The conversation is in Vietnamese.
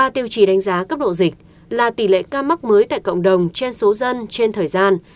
ba tiêu chí đánh giá cấp độ dịch là tỷ lệ ca mắc mới tại cộng đồng trên số dân trên thời gian